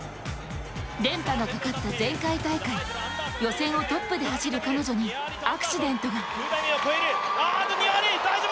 連覇のかかった前回大会、予選をトップで走る彼女にアクシデントが。